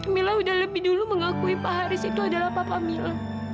mila sudah lebih dulu mengakui pak haris itu adalah papa mila